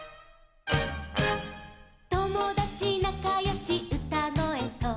「ともだちなかよしうたごえと」